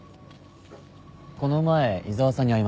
この前井沢さんに会いました。